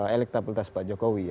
elektabilitas pak jokowi ya